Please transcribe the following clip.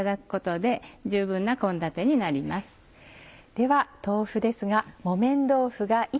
では豆腐ですが。